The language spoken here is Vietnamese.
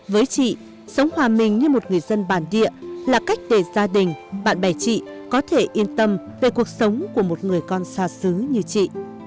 với chị sống hòa mình như một người dân bản địa là cách để gia đình bạn bè chị có thể yên tâm về cuộc sống của một người con xa xứ như chị